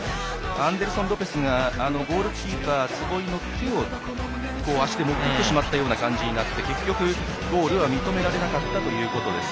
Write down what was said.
アンデルソン・ロペスがゴールキーパーの坪井の手を足で持っていってしまったような形になって結局、ゴールは認めらなかったということです。